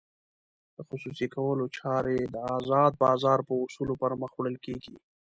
د خصوصي کولو چارې د ازاد بازار په اصولو پرمخ وړل کېږي.